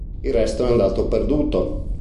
Il resto è andato perduto.